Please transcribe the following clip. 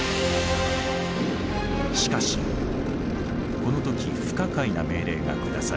しかしこの時不可解な命令が下された。